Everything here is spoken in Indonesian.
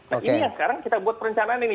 nah ini yang sekarang kita buat perencanaan ini